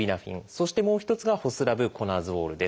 そしてもう一つがホスラブコナゾールです。